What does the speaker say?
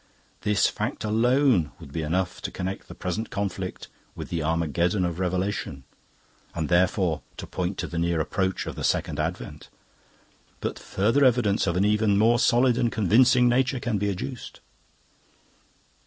This fact alone would be enough to connect the present conflict with the Armageddon of Revelation and therefore to point to the near approach of the Second Advent. But further evidence of an even more solid and convincing nature can be adduced.